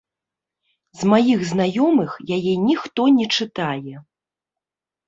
З маіх знаёмых яе ніхто не чытае.